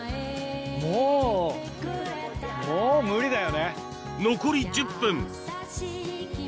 もうもう無理だよね。